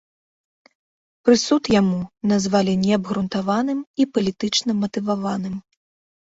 Прысуд яму назвалі неабгрунтаваным і палітычна матываваным.